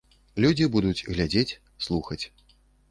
Людзі будуць глядзець, слухаць.